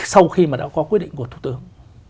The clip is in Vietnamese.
sau khi mà đã có quyết định của thủ tướng